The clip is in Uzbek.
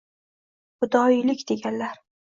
Fidoyilik, deganlar.